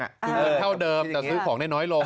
คือเงินเท่าเดิมแต่ซื้อของได้น้อยลง